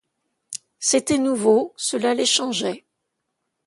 C'était nouveau, cela les changeait.